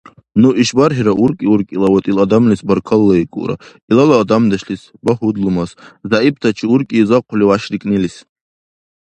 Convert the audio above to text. Ну ишбархӀира уркӀи-уркӀилавад ил адамлис баркаллаикӀулра, илала адамдешлис, багьудлумас, зягӀиптачи уркӀи изахъули вяшрикӀнилис.